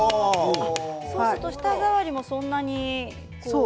そうすると舌触りもそんなに。